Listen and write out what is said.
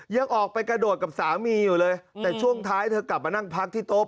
ยังออกไปกระโดดกับสามีอยู่เลยแต่ช่วงท้ายเธอกลับมานั่งพักที่โต๊ะ